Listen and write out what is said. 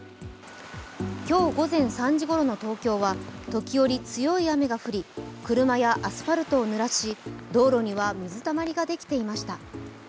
今日午前３時ごろの東京は、時折強い雨が降り、車やアスファルトをぬらし道路には水たまりができていました。